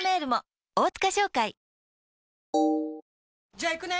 じゃあ行くね！